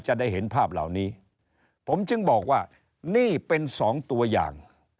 จะได้เห็นภาพเหล่านี้ผมจึงบอกว่านี่เป็นสองตัวอย่าง